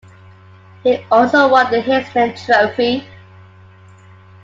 He also won the Heisman Trophy.